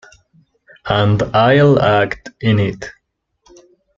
And I'll act in it.